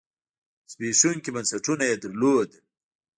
زبېښونکي بنسټونه یې لرل.